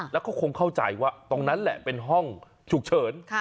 แล้วก็คงเข้าใจว่าตรงนั้นแหละเป็นห้องฉุกเฉิน